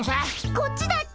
こっちだっけ？